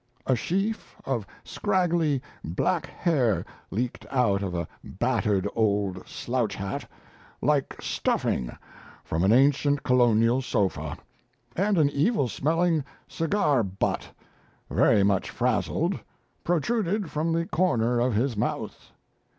A sheaf of scraggly, black hair leaked out of a battered, old, slouch hat, like stuffing from an ancient Colonial sofa, and an evil smelling cigar butt, very much frazzled, protruded from the corner of his mouth.